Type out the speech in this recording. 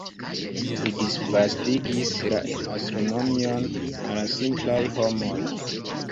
Li disvastigis la astronomion al simplaj homoj.